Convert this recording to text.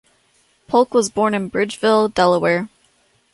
Polk was born in Bridgeville, Delaware.